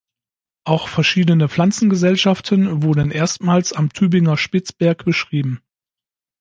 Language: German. Auch verschiedene Pflanzengesellschaften wurden erstmals am Tübinger Spitzberg beschrieben.